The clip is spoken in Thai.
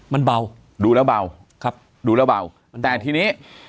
มันเบาดูแล้วเบาครับดูแล้วเบาแต่ทีนี้